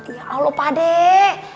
ya allah pak deh